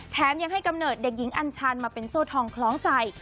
แถมยังให้กำเนิดเด็กหญิงอัญชาญมาเป็นโซ่ทองคล้องใจ